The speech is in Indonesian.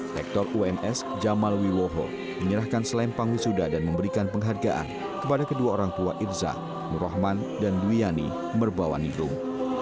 rektor ums jamal wiwoho menyerahkan selempang wisuda dan memberikan penghargaan kepada kedua orang tua irza nur rahman dan duyani merbawanirum